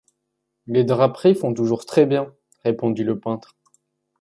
Les draperies font toujours très-bien, répondit le peintre.